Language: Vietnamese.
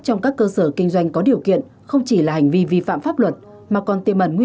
ở các cơ sở kinh doanh có điều kiện không chỉ là hành vi vi phạm pháp luật